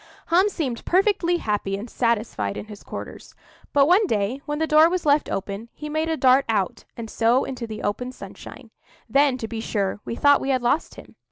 Hum seemed perfectly happy and satisfied in his quarters; but one day, when the door was left open, he made a dart out, and so into the open sunshine. Then, to be sure, we thought we had lost him.